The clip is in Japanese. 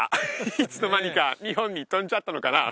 いつの間にか日本に飛んじゃったのかな？